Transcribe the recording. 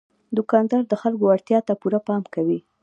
دوکاندار د خلکو اړتیا ته پوره پام کوي.